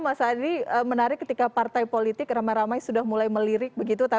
mas adi menarik ketika partai politik ramai ramai sudah mulai melirik begitu